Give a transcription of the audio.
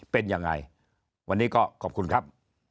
เป็นยังไงวันนี้ก็ขอบคุณครับ